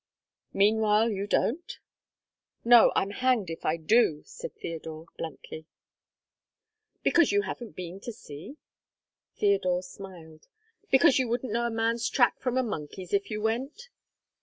"Meanwhile you don't?" "No, I'm hanged if I do," said Theodore, bluntly. "Because you haven't been to see?" Theodore smiled. "Because you wouldn't know a man's track from a monkey's if you went?"